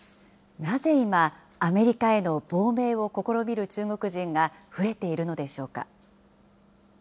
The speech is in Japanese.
なぜ今、アメリカへの亡命を試みる中国人が増えているのでしょうか。